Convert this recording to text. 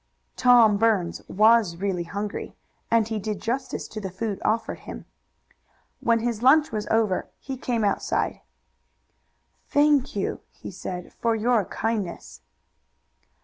Tom Burns was really hungry, and he did justice to the food offered him. When his lunch was over he came outside. "Thank you," he said, "for your kindness."